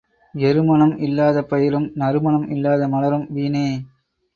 எருமணம் இல்லாத பயிரும் நறுமணம் இல்லாத மலரும் வீணே.